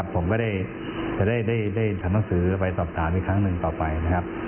ผมก็จะได้ทำหนังสือไปสอบถามอีกครั้งหนึ่งต่อไปนะครับ